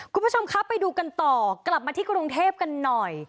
คุณผู้ชมครับไปดูกันต่อกลับมาที่กรุงเทพกันหน่อย